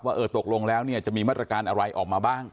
เออตกลงแล้วเนี่ยจะมีมาตรการอะไรออกมาบ้าง